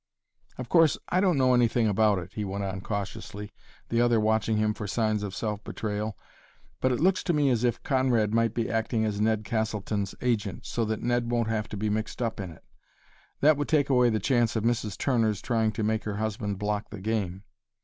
"Of course I don't know anything about it," he went on cautiously, the other watching him for signs of self betrayal, "but it looks to me as if Conrad might be acting as Ned Castleton's agent, so that Ned won't have to be mixed up in it. That would take away the chance of Mrs. Turner's trying to make her husband block the game.